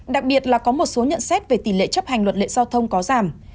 đặc biệt là có một số nhận xét về tỷ lệ chấp hành luật lệ giao thông có giảm